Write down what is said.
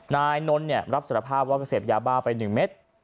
นายนนท์รับสารภาพว่าก็เสพยาบ้าไป๑เม็ด